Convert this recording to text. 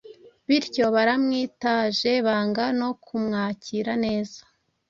Bityo, baramwitaje banga no kumwakira neza.